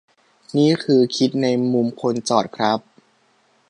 นี่คือคิดในมุมคนจอดครับ